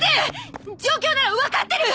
状況なら分かってる！